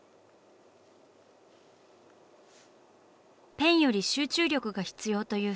ペンより集中力が必要という筆。